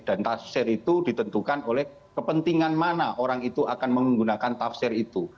dan tafsir itu ditentukan oleh kepentingan mana orang itu akan menggunakan tafsir itu